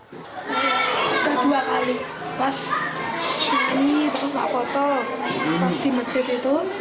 saya berdua kali pas di sini lalu pak koto pas di meja gitu